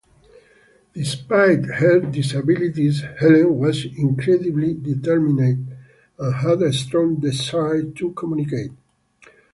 Despite her disabilities, Helen was incredibly determined and had a strong desire to communicate.